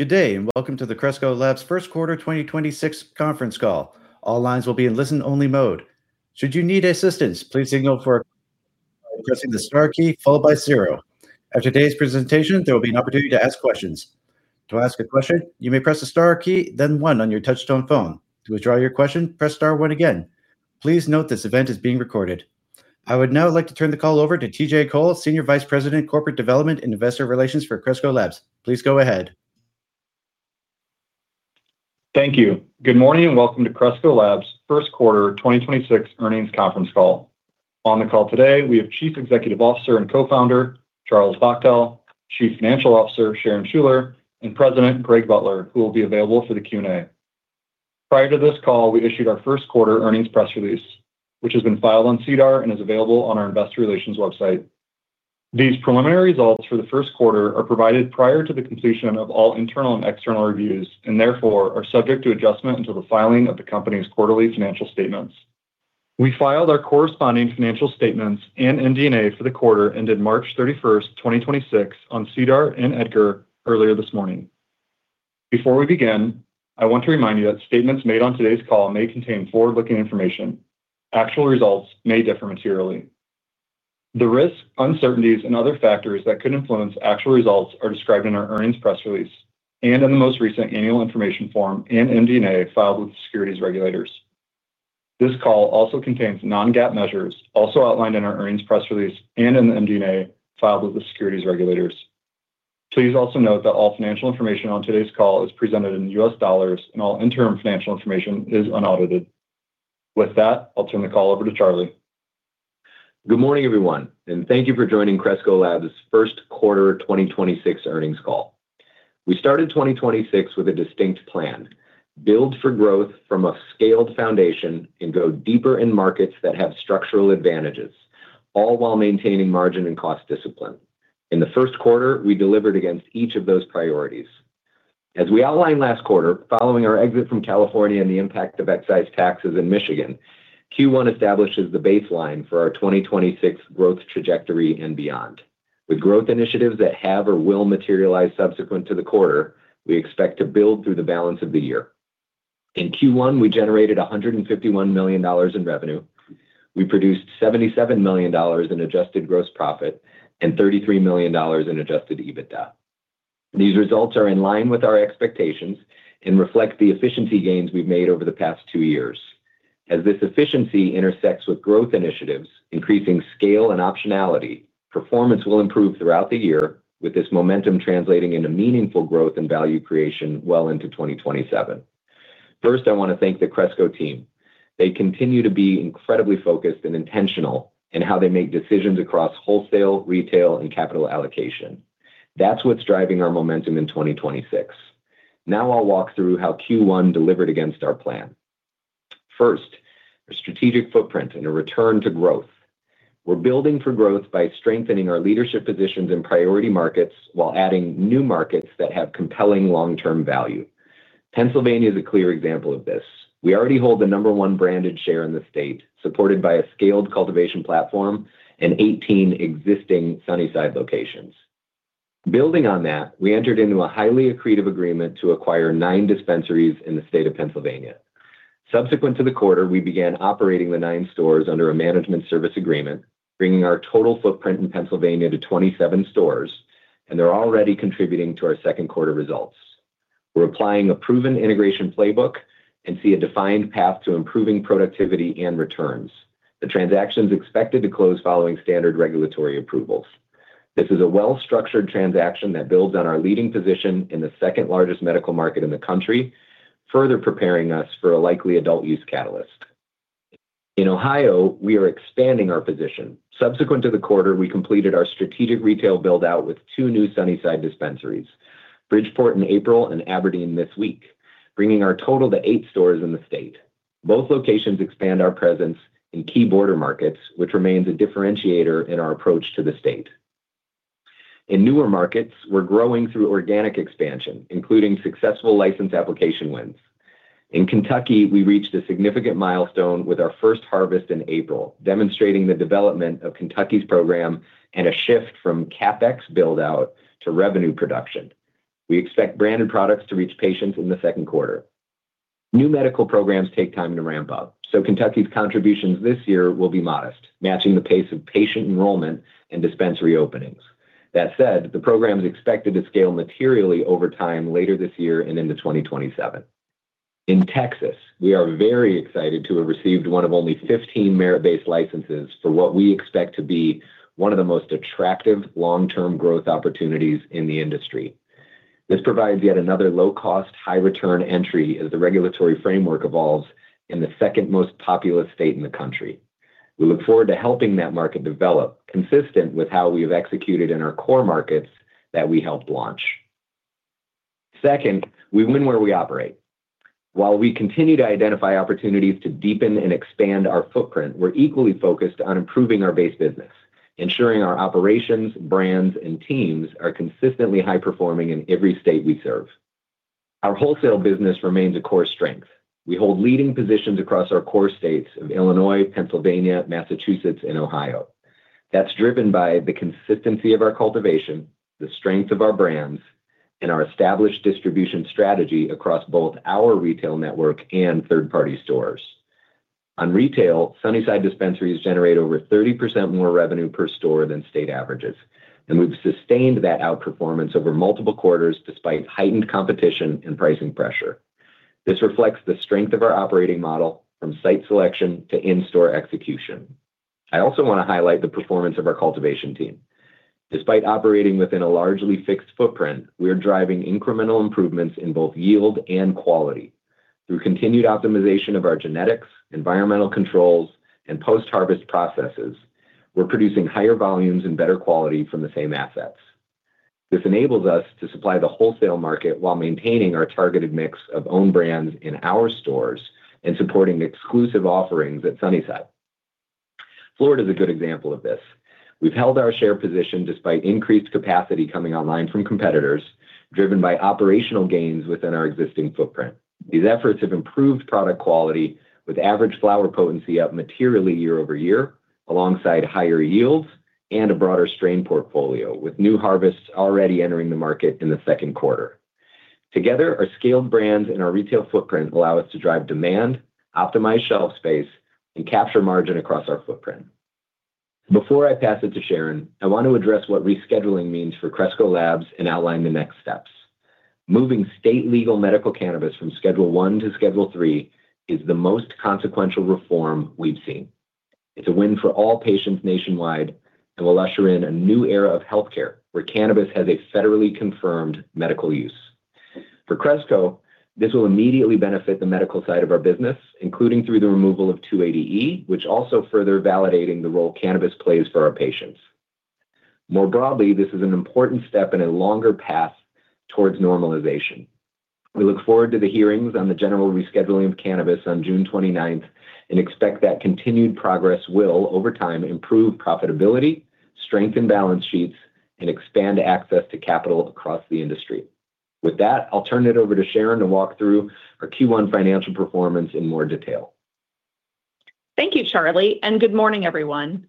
I would now like to turn the call over to TJ Cole, Senior Vice President, Corporate Development and Investor Relations for Cresco Labs. Please go ahead. Thank you. Good morning, and welcome to Cresco Labs' first quarter 2026 earnings conference call. On the call today, we have Chief Executive Officer and Co-founder, Charles Bachtell, Chief Financial Officer, Sharon Schuler, and President, Greg Butler, who will be available for the Q&A. Prior to this call, we issued our first quarter earnings press release, which has been filed on SEDAR and is available on our investor relations website. These preliminary results for the first quarter are provided prior to the completion of all internal and external reviews. Therefore, are subject to adjustment until the filing of the company's quarterly financial statements. We filed our corresponding financial statements and MD&A for the quarter ended March 31st, 2026 on SEDAR and EDGAR earlier this morning. Before we begin, I want to remind you that statements made on today's call may contain forward-looking information. Actual results may differ materially. The risks, uncertainties, and other factors that could influence actual results are described in our earnings press release and in the most recent annual information form and MD&A filed with the securities regulators. This call also contains non-GAAP measures, also outlined in our earnings press release and in the MD&A filed with the securities regulators. Please also note that all financial information on today's call is presented in U.S. dollars, and all interim financial information is unaudited. With that, I'll turn the call over to Charlie. Good morning, everyone, and thank you for joining Cresco Labs' first quarter 2026 earnings call. We started 2026 with a distinct plan: build for growth from a scaled foundation and go deeper in markets that have structural advantages, all while maintaining margin and cost discipline. In the first quarter, we delivered against each of those priorities. As we outlined last quarter, following our exit from California and the impact of excise taxes in Michigan, Q1 establishes the baseline for our 2026 growth trajectory and beyond. With growth initiatives that have or will materialize subsequent to the quarter, we expect to build through the balance of the year. In Q1, we generated $151 million in revenue. We produced $77 million in adjusted gross profit and $33 million in Adjusted EBITDA. These results are in line with our expectations and reflect the efficiency gains we've made over the past two years. As this efficiency intersects with growth initiatives, increasing scale and optionality, performance will improve throughout the year, with this momentum translating into meaningful growth and value creation well into 2027. First, I wanna thank the Cresco team. They continue to be incredibly focused and intentional in how they make decisions across wholesale, retail, and capital allocation. That's what's driving our momentum in 2026. Now I'll walk through how Q1 delivered against our plan. First, a strategic footprint and a return to growth. We're building for growth by strengthening our leadership positions in priority markets while adding new markets that have compelling long-term value. Pennsylvania is a clear example of this. We already hold the number one branded share in the state, supported by a scaled cultivation platform and 18 existing Sunnyside locations. Building on that, we entered into a highly accretive agreement to acquire nine dispensaries in the state of Pennsylvania. Subsequent to the quarter, we began operating the nine stores under a management service agreement, bringing our total footprint in Pennsylvania to 27 stores, and they're already contributing to our second quarter results. We're applying a proven integration playbook and see a defined path to improving productivity and returns. The transaction's expected to close following standard regulatory approvals. This is a well-structured transaction that builds on our leading position in the second-largest medical market in the country, further preparing us for a likely adult use catalyst. In Ohio, we are expanding our position. Subsequent to the quarter, we completed our strategic retail build-out with two new Sunnyside dispensaries, Bridgeport in April and Aberdeen this week, bringing our total to eight stores in the state. Both locations expand our presence in key border markets, which remains a differentiator in our approach to the state. In newer markets, we're growing through organic expansion, including successful license application wins. In Kentucky, we reached a significant milestone with our first harvest in April, demonstrating the development of Kentucky's program and a shift from CapEx build-out to revenue production. We expect branded products to reach patients in the second quarter. New medical programs take time to ramp up, so Kentucky's contributions this year will be modest, matching the pace of patient enrollment and dispensary openings. That said, the program is expected to scale materially over time later this year and into 2027. In Texas, we are very excited to have received one of only 15 merit-based licenses for what we expect to be one of the most attractive long-term growth opportunities in the industry. This provides yet another low-cost, high-return entry as the regulatory framework evolves in the second most populous state in the country. We look forward to helping that market develop, consistent with how we have executed in our core markets that we helped launch. Second, we win where we operate. While we continue to identify opportunities to deepen and expand our footprint, we're equally focused on improving our base business, ensuring our operations, brands, and teams are consistently high-performing in every state we serve. Our wholesale business remains a core strength. We hold leading positions across our core states of Illinois, Pennsylvania, Massachusetts, and Ohio. That's driven by the consistency of our cultivation, the strength of our brands, and our established distribution strategy across both our retail network and third-party stores. On retail, Sunnyside dispensaries generate over 30% more revenue per store than state averages, and we've sustained that outperformance over multiple quarters despite heightened competition and pricing pressure. This reflects the strength of our operating model from site selection to in-store execution. I also wanna highlight the performance of our cultivation team. Despite operating within a largely fixed footprint, we are driving incremental improvements in both yield and quality. Through continued optimization of our genetics, environmental controls, and post-harvest processes, we're producing higher volumes and better quality from the same assets. This enables us to supply the wholesale market while maintaining our targeted mix of own brands in our stores and supporting exclusive offerings at Sunnyside. Florida is a good example of this. We've held our share position despite increased capacity coming online from competitors, driven by operational gains within our existing footprint. These efforts have improved product quality with average flower potency up materially year-over-year, alongside higher yields and a broader strain portfolio, with new harvests already entering the market in the second quarter. Together, our scaled brands and our retail footprint allow us to drive demand, optimize shelf space, and capture margin across our footprint. Before I pass it to Sharon, I want to address what rescheduling means for Cresco Labs and outline the next steps. Moving state legal medical cannabis from Schedule I to Schedule III is the most consequential reform we've seen. It's a win for all patients nationwide and will usher in a new era of healthcare where cannabis has a federally confirmed medical use. For Cresco, this will immediately benefit the medical side of our business, including through the removal of 280E, which also further validating the role cannabis plays for our patients. More broadly, this is an important step in a longer path towards normalization. We look forward to the hearings on the general rescheduling of cannabis on June 29th and expect that continued progress will, over time, improve profitability, strengthen balance sheets, and expand access to capital across the industry. With that, I'll turn it over to Sharon to walk through our Q1 financial performance in more detail. Thank you, Charlie, and good morning, everyone.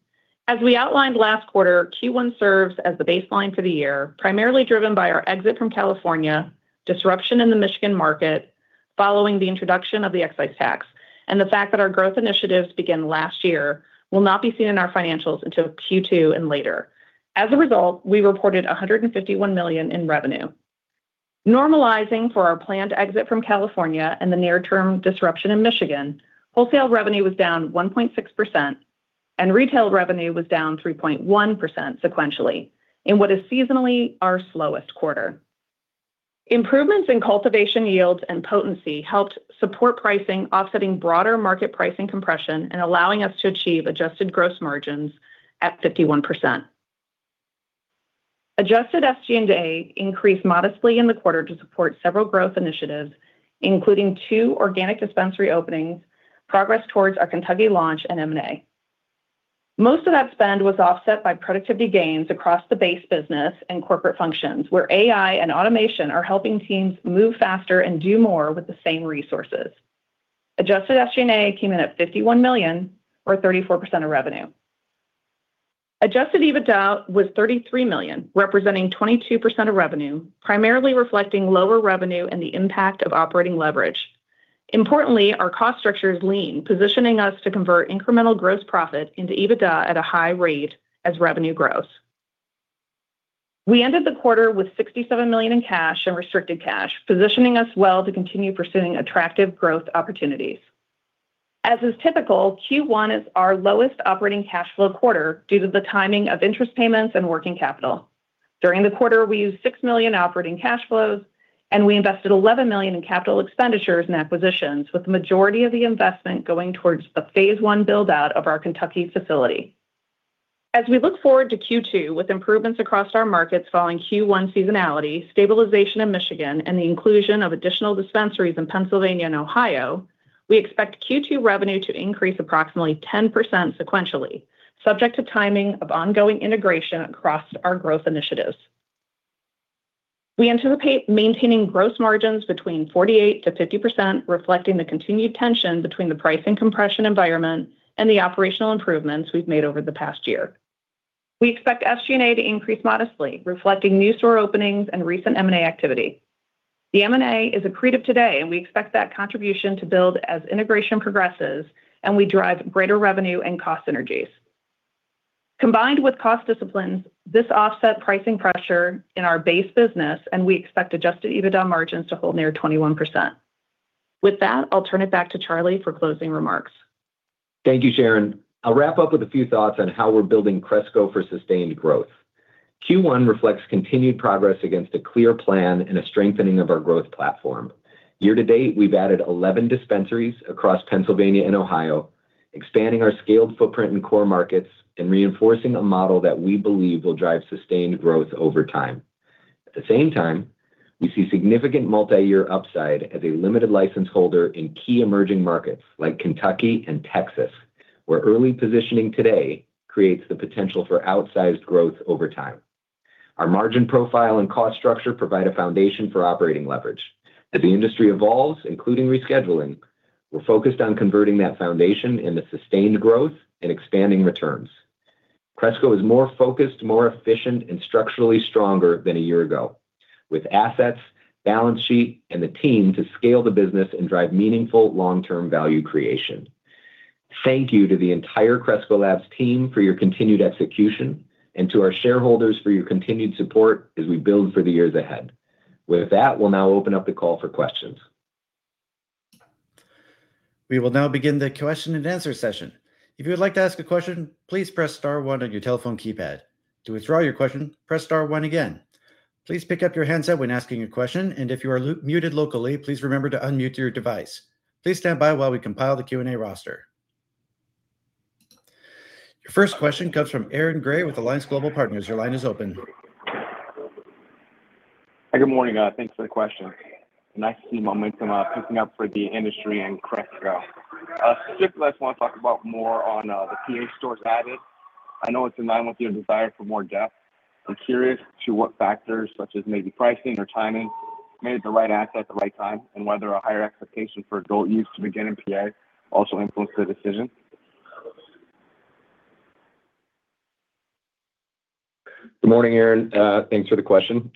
As we outlined last quarter, Q1 serves as the baseline for the year, primarily driven by our exit from California, disruption in the Michigan market following the introduction of the excise tax, and the fact that our growth initiatives began last year will not be seen in our financials until Q2 and later. As a result, we reported $151 million in revenue. Normalizing for our planned exit from California and the near-term disruption in Michigan, wholesale revenue was down 1.6% and retail revenue was down 3.1% sequentially in what is seasonally our slowest quarter. Improvements in cultivation yields and potency helped support pricing, offsetting broader market pricing compression and allowing us to achieve adjusted gross margins at 51%. Adjusted SG&A increased modestly in the quarter to support several growth initiatives, including two organic dispensary openings, progress towards our Kentucky launch and M&A. Most of that spend was offset by productivity gains across the base business and corporate functions, where AI and automation are helping teams move faster and do more with the same resources. Adjusted SG&A came in at $51 million or 34% of revenue. Adjusted EBITDA was $33 million, representing 22% of revenue, primarily reflecting lower revenue and the impact of operating leverage. Importantly, our cost structure is lean, positioning us to convert incremental gross profit into EBITDA at a high rate as revenue grows. We ended the quarter with $67 million in cash and restricted cash, positioning us well to continue pursuing attractive growth opportunities. As is typical, Q1 is our lowest operating cash flow quarter due to the timing of interest payments and working capital. During the quarter, we used $6 million operating cash flows, and we invested $11 million in capital expenditures and acquisitions, with the majority of the investment going towards the phase 1 build-out of our Kentucky facility. As we look forward to Q2 with improvements across our markets following Q1 seasonality, stabilization in Michigan, and the inclusion of additional dispensaries in Pennsylvania and Ohio, we expect Q2 revenue to increase approximately 10% sequentially, subject to timing of ongoing integration across our growth initiatives. We anticipate maintaining gross margins between 48%-50%, reflecting the continued tension between the pricing compression environment and the operational improvements we've made over the past year. We expect SG&A to increase modestly, reflecting new store openings and recent M&A activity. The M&A is accretive today, and we expect that contribution to build as integration progresses and we drive greater revenue and cost synergies. Combined with cost disciplines, this offset pricing pressure in our base business, and we expect Adjusted EBITDA margins to hold near 21%. With that, I'll turn it back to Charlie for closing remarks. Thank you, Sharon. I'll wrap up with a few thoughts on how we're building Cresco for sustained growth. Q1 reflects continued progress against a clear plan and a strengthening of our growth platform. Year-to-date, we've added 11 dispensaries across Pennsylvania and Ohio, expanding our scaled footprint in core markets and reinforcing a model that we believe will drive sustained growth over time. At the same time, we see significant multi-year upside as a limited license holder in key emerging markets like Kentucky and Texas. Where early positioning today creates the potential for outsized growth over time. Our margin profile and cost structure provide a foundation for operating leverage. As the industry evolves, including rescheduling, we're focused on converting that foundation into sustained growth and expanding returns. Cresco is more focused, more efficient, and structurally stronger than a year ago, with assets, balance sheet, and the team to scale the business and drive meaningful long-term value creation. Thank you to the entire Cresco Labs team for your continued execution, and to our shareholders for your continued support as we build for the years ahead. With that, we'll now open up the call for questions. We will now begin the question-and-answer session. If you would like to ask a question, please press star one on your telephone keypad. To withdraw your question, press star one again. Please pick up your handset when asking a question, and if you are muted locally, please remember to unmute your device. Please stand by while we compile the Q&A roster. Your first question comes from Aaron Grey with Alliance Global Partners. Your line is open. Hi. Good morning. Thanks for the question. Nice to see momentum picking up for the industry and Cresco. Specifically, I just want to talk about more on the PA stores added. I know it's in line with your desire for more depth. I'm curious to what factors, such as maybe pricing or timing, made it the right asset at the right time, and whether a higher expectation for adult use to begin in PA also influenced the decision? Good morning, Aaron. Thanks for the question.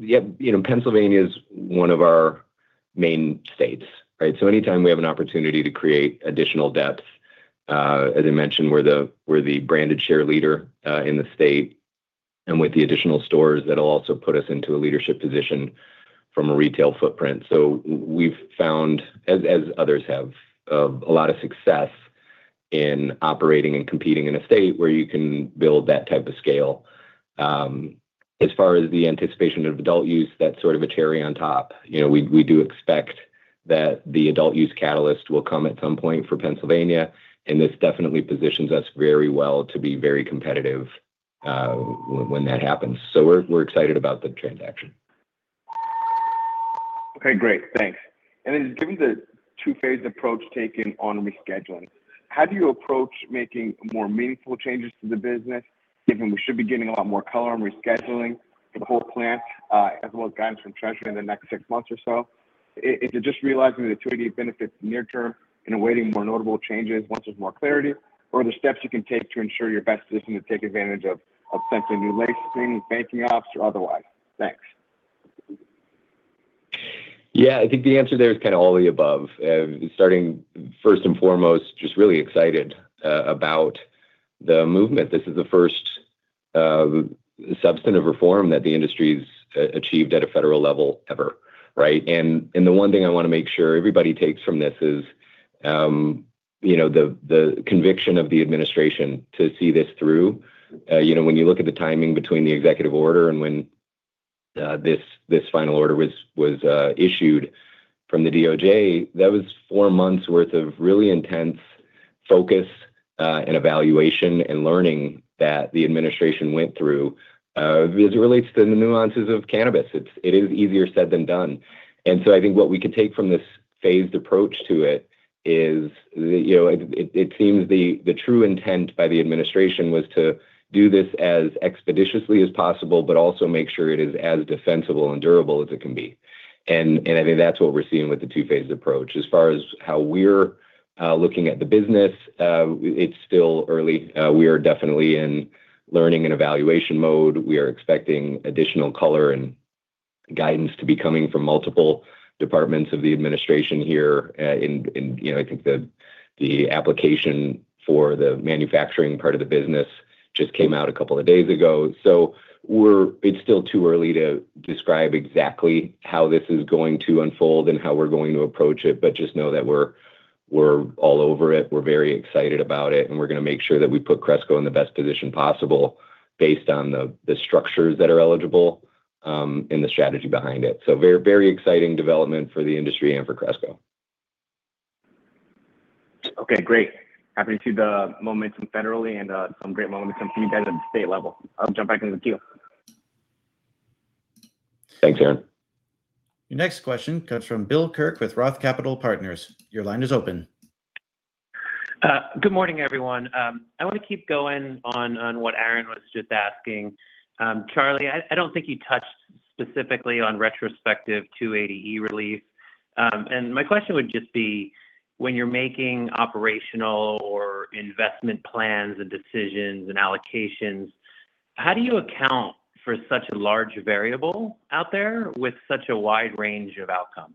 Yeah, you know, Pennsylvania is one of our main states, right? Anytime we have an opportunity to create additional depth, as I mentioned, we're the branded share leader in the state. With the additional stores, that'll also put us into a leadership position from a retail footprint. We've found, as others have, a lot of success in operating and competing in a state where you can build that type of scale. As far as the anticipation of adult use, that's sort of a cherry on top. You know, we do expect that the adult use catalyst will come at some point for Pennsylvania, this definitely positions us very well to be very competitive when that happens. We're excited about the transaction. Okay, great. Thanks. Given the II-phased approach taken on rescheduling, how do you approach making more meaningful changes to the business, given we should be getting a lot more color on rescheduling for the whole plan, as well as guidance from Treasury in the next six months or so? Is it just realizing the 280E benefits near term and awaiting more notable changes once there's more clarity? Or are there steps you can take to ensure you're best positioned to take advantage of potentially new licensing, banking ops or otherwise? Thanks. Yeah. I think the answer there is kind of all the above. Starting first and foremost, just really excited about the movement. This is the first substantive reform that the industry's achieved at a federal level ever, right? The one thing I wanna make sure everybody takes from this is, you know, the conviction of the administration to see this through. You know, when you look at the timing between the executive order and when this final order was issued from the DOJ, that was four months worth of really intense focus and evaluation and learning that the administration went through as it relates to the nuances of cannabis. It is easier said than done. I think what we can take from this phased approach to it is that, you know, it seems the true intent by the administration was to do this as expeditiously as possible, but also make sure it is as defensible and durable as it can be. I think that's what we're seeing with the two-phased approach. As far as how we're looking at the business, it's still early. We are definitely in learning and evaluation mode. We are expecting additional color and guidance to be coming from multiple departments of the administration here. You know, I think the application for the manufacturing part of the business just came out a couple of days ago. It's still too early to describe exactly how this is going to unfold and how we're going to approach it, but just know that we're all over it, we're very excited about it, and we're gonna make sure that we put Cresco in the best position possible based on the structures that are eligible, and the strategy behind it. Very, very exciting development for the industry and for Cresco. Okay, great. Happy to see the momentum federally and some great momentum from you guys at the state level. I'll jump back in the queue. Thanks, Aaron. Your next question comes from Bill Kirk with ROTH Capital Partners. Your line is open. Good morning, everyone. I want to keep going on what Aaron Grey was just asking. Charles Bachtell, I don't think you touched specifically on retrospective 280E relief. My question would just be, when you're making operational or investment plans and decisions and allocations, how do you account for such a large variable out there with such a wide range of outcomes?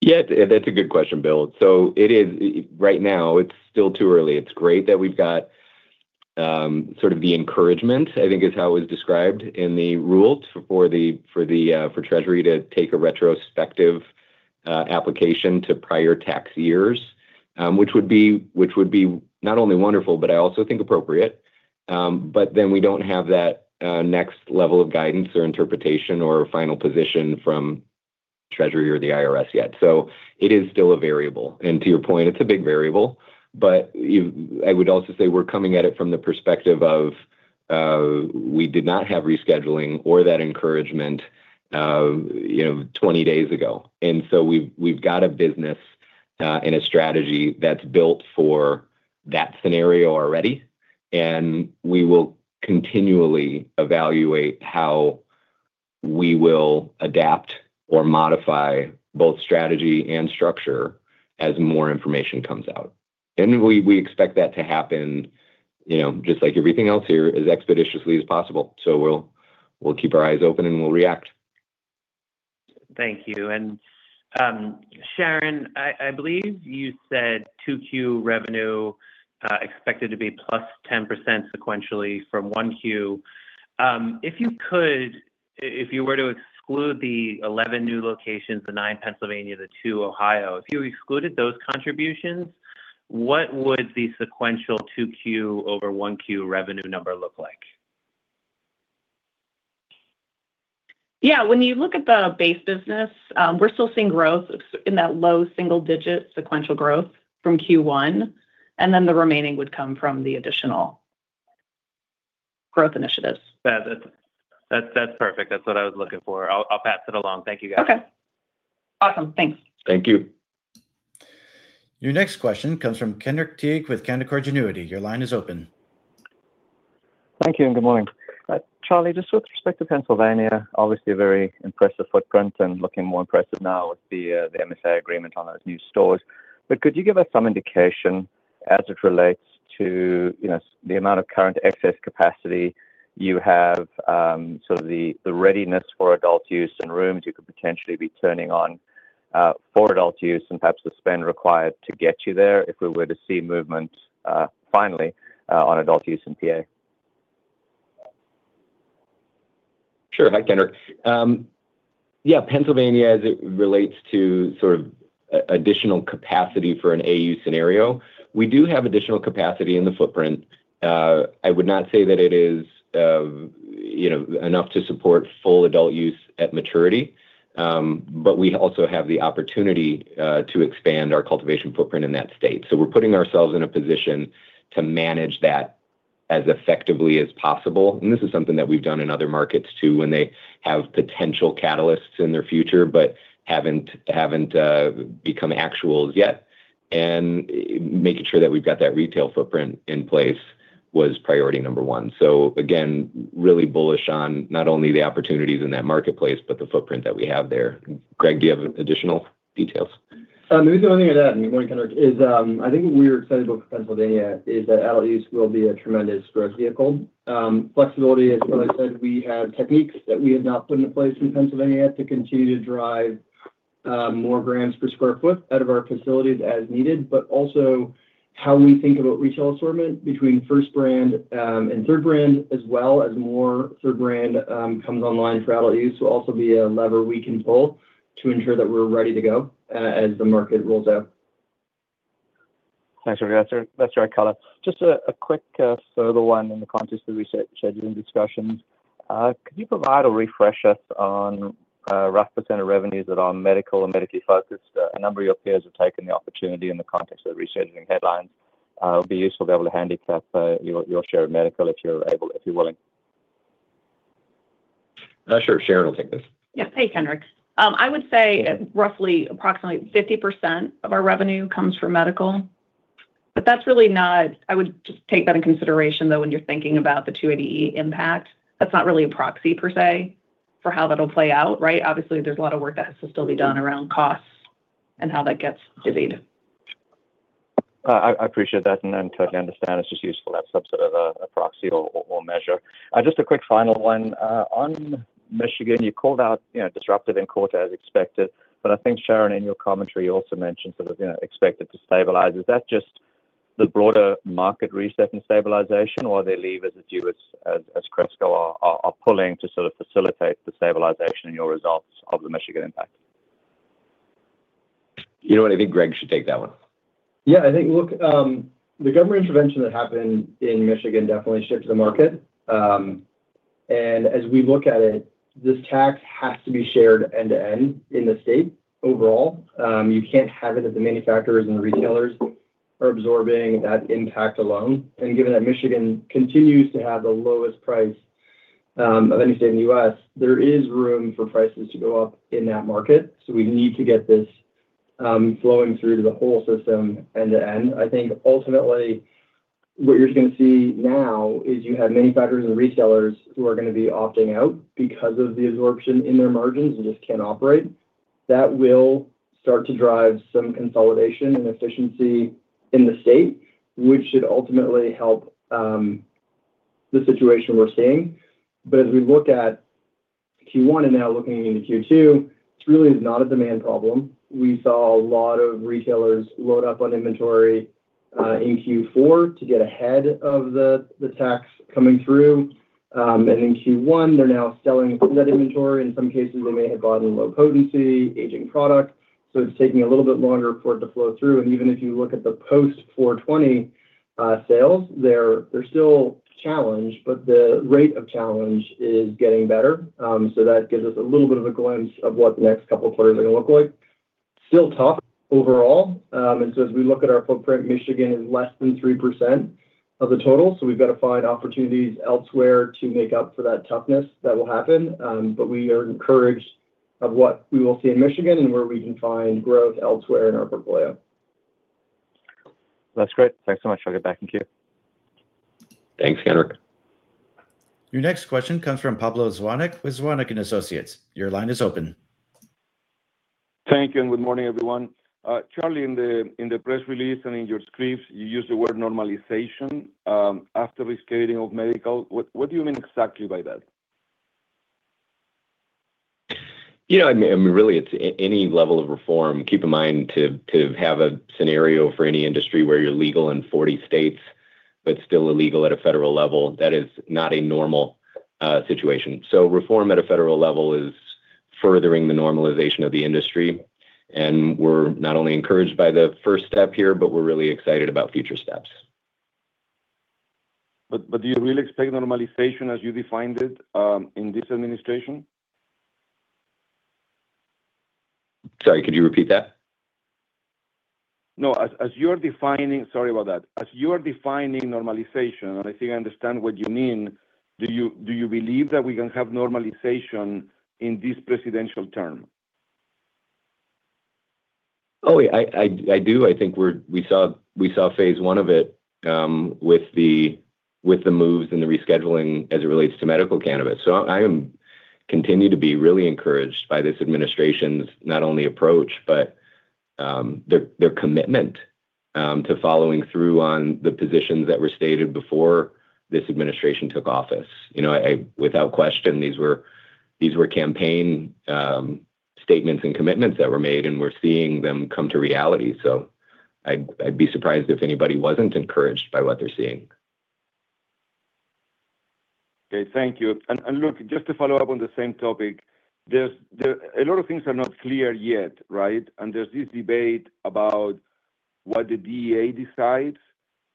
Yeah, that's a good question, Bill. It is right now, it's still too early. It's great that we've got sort of the encouragement, I think is how it was described in the rule, for the, for the Treasury to take a retrospective application to prior tax years, which would be not only wonderful, but I also think appropriate. We don't have that next level of guidance or interpretation or final position from Treasury or the IRS yet. It is still a variable. To your point, it's a big variable, but I would also say we're coming at it from the perspective of we did not have rescheduling or that encouragement, you know, 20 days ago. We've got a business, and a strategy that's built for that scenario already, and we will continually evaluate how we will adapt or modify both strategy and structure as more information comes out. We expect that to happen, you know, just like everything else here, as expeditiously as possible. We'll keep our eyes open and we'll react. Thank you. Sharon, I believe you said 2Q revenue, expected to be +10% sequentially from 1Q. If you could, if you were to exclude the 11 new locations, the nine Pennsylvania, the two Ohio. If you excluded those contributions, what would the sequential 2Q over 1Q revenue number look like? Yeah, when you look at the base business, we're still seeing growth in that low single-digit sequential growth from Q1. The remaining would come from the additional growth initiatives. That's it. That's perfect. That's what I was looking for. I'll pass it along. Thank you, guys. Okay. Awesome. Thanks. Thank you. Your next question comes from Kenric T with Canaccord Genuity. Your line is open. Thank you, and good morning. Charlie, just with respect to Pennsylvania, obviously a very impressive footprint and looking more impressive now with the MSA agreement on those new stores. Could you give us some indication as it relates to, you know, the amount of current excess capacity you have, sort of the readiness for adult use and rooms you could potentially be turning on for adult use and perhaps the spend required to get you there if we were to see movement finally on adult use in PA? Sure. Hi, Kendrick. Pennsylvania as it relates to additional capacity for an AU scenario, we do have additional capacity in the footprint. I would not say that it is, you know, enough to support full adult use at maturity, but we also have the opportunity to expand our cultivation footprint in that state. We're putting ourselves in a position to manage that as effectively as possible. This is something that we've done in other markets too, when they have potential catalysts in their future, but haven't become actuals yet. Making sure that we've got that retail footprint in place was priority number one. Again, really bullish on not only the opportunities in that marketplace, but the footprint that we have there. Greg, do you have additional details? The only thing I'd add, and good morning, Kenric, is I think what we're excited about for Pennsylvania is that adult use will be a tremendous growth vehicle. Flexibility, as Charles Bachtell said, we have techniques that we have not put into place in Pennsylvania to continue to drive more grams per square foot out of our facilities as needed, but also how we think about retail assortment between first brand and third brand, as well as more third brand comes online for adult use, will also be a lever we can pull to ensure that we're ready to go as the market rolls out. Thanks for your answer. That's very clear. Just a quick further one in the context of the rescheduling discussions. Could you provide or refresh us on rough % of revenues that are medical or medically focused? A number of your peers have taken the opportunity in the context of the rescheduling headlines. It would be useful to be able to handicap your share of medical if you're able, if you're willing. Sure. Sharon will take this. Yeah. Hey, Kendrick. I would say roughly approximately 50% of our revenue comes from medical. I would just take that in consideration, though, when you're thinking about the 280E impact. That's not really a proxy per se for how that'll play out, right? Obviously, there's a lot of work that has to still be done around costs and how that gets divvied. I appreciate that, and totally understand. It's just useful to have some sort of a proxy or measure. Just a quick final one. On Michigan, you called out, you know, disruptive in quarter as expected, but I think, Sharon, in your commentary, you also mentioned sort of, you know, expected to stabilize. Is that just the broader market reset and stabilization, or are there levers that you as Cresco are pulling to sort of facilitate the stabilization in your results of the Michigan impact? You know what? I think Greg should take that one. Yeah, I think, look, the government intervention that happened in Michigan definitely shook the market. As we look at it, this tax has to be shared end to end in the state overall. You can't have it if the manufacturers and retailers are absorbing that impact alone. Given that Michigan continues to have the lowest price of any state in the U.S., there is room for prices to go up in that market. We need to get this flowing through to the whole system end to end. I think ultimately what you're just gonna see now is you have manufacturers and resellers who are gonna be opting out because of the absorption in their margins. They just can't operate. That will start to drive some consolidation and efficiency in the state, which should ultimately help the situation we're seeing. As we look at Q1 and now looking into Q2, it really is not a demand problem. We saw a lot of retailers load up on inventory in Q4 to get ahead of the tax coming through. In Q1, they're now selling that inventory. In some cases, they may have bought in low potency, aging product, so it's taking a little bit longer for it to flow through. Even if you look at the post-420 sales, they're still challenged, but the rate of challenge is getting better. That gives us a little bit of a glimpse of what the next couple of quarters are gonna look like. Still tough overall. As we look at our footprint, Michigan is less than 3% of the total, so we've gotta find opportunities elsewhere to make up for that toughness. That will happen, but we are encouraged of what we will see in Michigan and where we can find growth elsewhere in our portfolio. That's great. Thanks so much. I'll get back in queue. Thanks, Kenric. Your next question comes from Pablo Zuanic with Zuanic & Associates. Your line is open. Thank you, and good morning, everyone. Charlie, in the press release and in your scripts, you use the word normalization after rescheduling of medical. What do you mean exactly by that? You know, I mean, really any level of reform, keep in mind to have a scenario for any industry where you're legal in 40 states, but still illegal at a federal level, that is not a normal situation. Reform at a federal level is furthering the normalization of the industry, and we're not only encouraged by the first step here, but we're really excited about future steps. Do you really expect normalization as you defined it, in this administration? Sorry, could you repeat that? No. Sorry about that. As you're defining normalization, and I think I understand what you mean, do you believe that we can have normalization in this presidential term? Oh, yeah. I do. I think we saw phase one of it, with the moves and the rescheduling as it relates to medical cannabis. I am continue to be really encouraged by this administration's not only approach, but commitment to following through on the positions that were stated before this administration took office. You know, I, without question these were campaign statements and commitments that were made, and we're seeing them come to reality. I'd be surprised if anybody wasn't encouraged by what they're seeing. Okay. Thank you. look, just to follow up on the same topic, there's a lot of things are not clear yet, right? there's this debate about what the DEA decides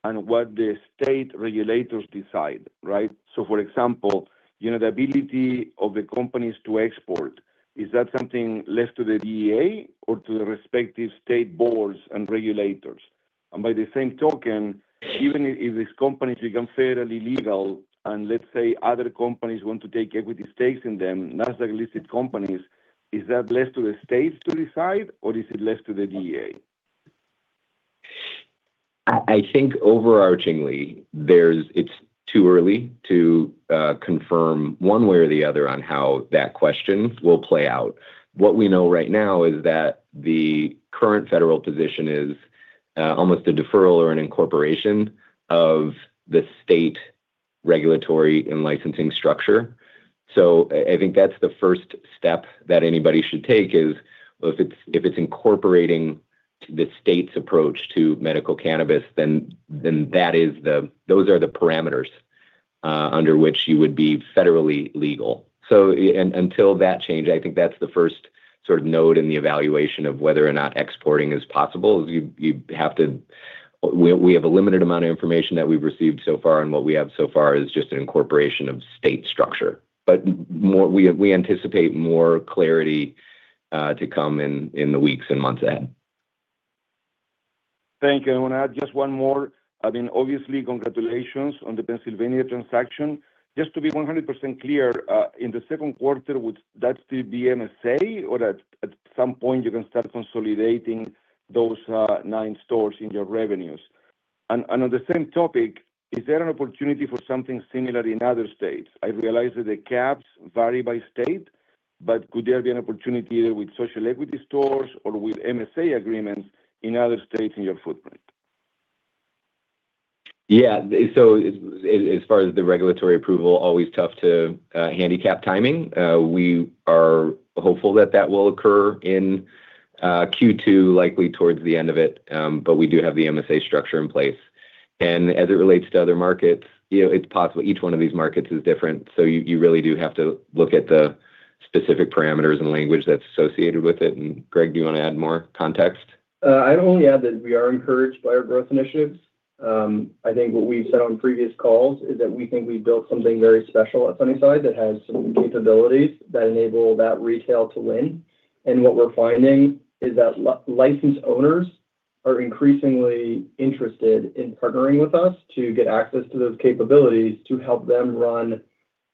and what the state regulators decide, right? for example, you know, the ability of the companies to export, is that something left to the DEA or to the respective state boards and regulators? by the same token, even if these companies become federally legal and let's say other companies want to take equity stakes in them, Nasdaq-listed companies, is that left to the states to decide or is it left to the DEA? I think overarchingly there's, it's too early to confirm one way or the other on how that question will play out. What we know right now is that the current federal position is almost a deferral or an incorporation of the state regulatory and licensing structure. I think that's the first step that anybody should take is, well, if it's incorporating the state's approach to medical cannabis, those are the parameters under which you would be federally legal. Until that change, I think that's the first sort of note in the evaluation of whether or not exporting is possible is you have to We have a limited amount of information that we've received so far, and what we have so far is just an incorporation of state structure. More, we anticipate more clarity to come in the weeks and months ahead. Thank you. I wanna add just one more. I mean, obviously, congratulations on the Pennsylvania transaction. Just to be 100% clear, in the second quarter, would that still be MSA or at some point you can start consolidating those nine stores in your revenues? On the same topic, is there an opportunity for something similar in other states? I realize that the caps vary by state, but could there be an opportunity either with social equity stores or with MSA agreements in other states in your footprint? Yeah. As far as the regulatory approval, always tough to handicap timing. We are hopeful that that will occur in Q2, likely towards the end of it. We do have the MSA structure in place. As it relates to other markets, you know, it's possible. Each one of these markets is different, so you really do have to look at the specific parameters and language that's associated with it. Greg, do you wanna add more context? I'd only add that we are encouraged by our growth initiatives. I think what we've said on previous calls is that we think we've built something very special at Sunnyside that has some capabilities that enable that retail to win. What we're finding is that licensed owners are increasingly interested in partnering with us to get access to those capabilities to help them run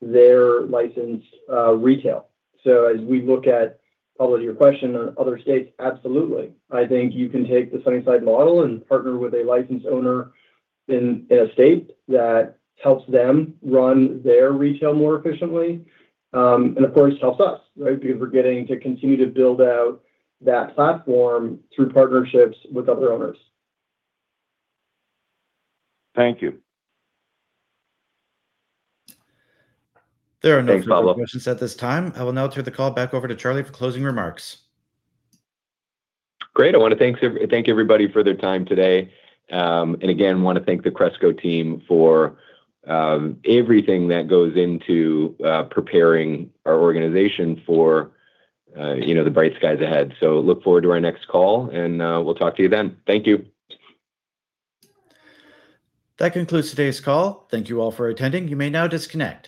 their licensed retail. As we look at, Pablo, to your question, on other states, absolutely. I think you can take the Sunnyside model and partner with a licensed owner in a state that helps them run their retail more efficiently, and of course helps us, right? Because we're getting to continue to build out that platform through partnerships with other owners. Thank you. There are no further questions at this time. Thanks, Pablo. I will now turn the call back over to Charlie for closing remarks. Great. I wanna thank everybody for their time today. Again, wanna thank the Cresco team for everything that goes into preparing our organization for, you know, the bright skies ahead. Look forward to our next call and we'll talk to you then. Thank you. That concludes today's call. Thank Thank you all for attending. You may now disconnect.